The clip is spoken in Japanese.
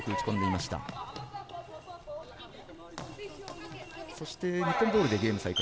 そして、日本ボールでゲーム再開。